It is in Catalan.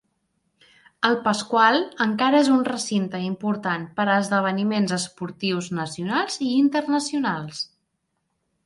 El Pascual encara és un recinte important per a esdeveniments esportius nacionals i internacionals.